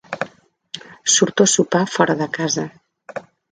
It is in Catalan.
Surto a sopar fora de casa